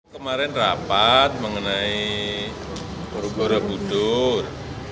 kemarin rapat mengenai borobudur